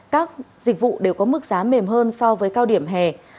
các dịch vụ đều có mức giá mềm hơn so với cao điểm hè